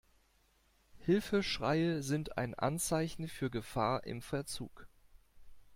Hilfeschreie sind ein Anzeichen für Gefahr im Verzug.